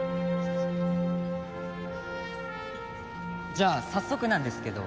じゃあ早速なんですけど。